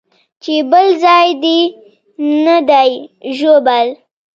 چې بل ځاى دې نه دى ژوبل.